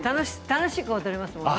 楽しく踊れますよね。